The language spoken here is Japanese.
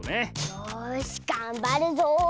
よしがんばるぞ！